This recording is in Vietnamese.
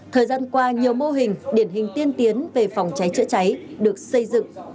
thời gian qua nhiều mô hình điển hình tiên tiến về phòng cháy chữa cháy được xây dựng